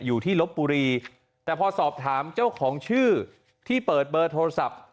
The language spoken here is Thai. ลบบุรีแต่พอสอบถามเจ้าของชื่อที่เปิดเบอร์โทรศัพท์